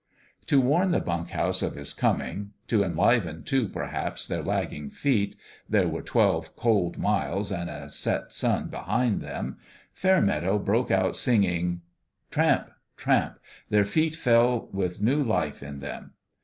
To warn the bunk house of his coming to enliven, too, perhaps, their lagging feet (there were twelve cold miles and a set sun behind them) Fairmeadow broke out singing. Tramp, tramp 1 Their feet fell with new life in them.